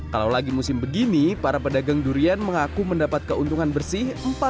kalau lagi musim begini para pedagang durian mengaku mendapat keuntungan bersih